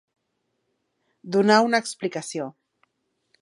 Donar una explicació.